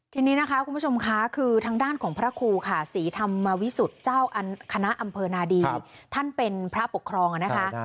ทีนี้นะคะคุณผู้ชมค่ะคือทางด้านของพระครูค่ะศรีธรรมวิสุทธิ์เจ้าคณะอำเภอนาดีท่านเป็นพระปกครองนะคะ